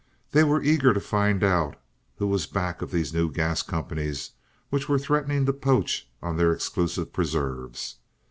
They were eager to find out who was back of these new gas companies which were threatening to poach on their exclusive preserves.